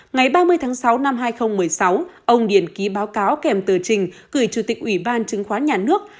ngày ba mươi tháng sáu năm hai nghìn một mươi sáu ông điền ký báo cáo kèm tờ trình gửi chủ tịch ủy ban chứng khoán nhà nước